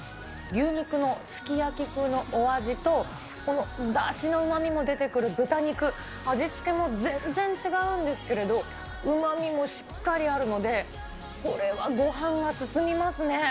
牛肉のすき焼き風のお味と、このだしのうまみも出てくる豚肉、味付けも全然違うんですけど、うまみもしっかりあるので、これはごはんが進みますね。